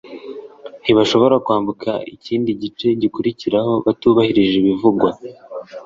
ntibashobora kwambuka ikindi gice gikurikiraho batubahirije ibivugwa